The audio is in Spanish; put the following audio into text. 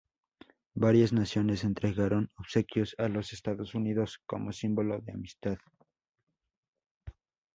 Varias naciones entregaron obsequios a los Estados Unidos como símbolo de amistad.